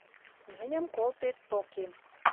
Мӹньӹм колтет токем